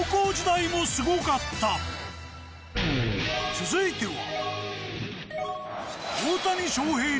続いては。